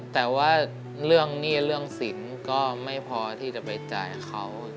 แต่ว่าเรื่องหนี้เรื่องสินก็ไม่พอที่จะไปจ่ายเขา